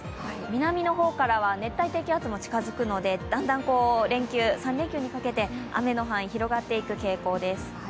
南の方からは熱帯低気圧も近づくので、だんだん３連休にかけて雨の範囲が広がっていく傾向です。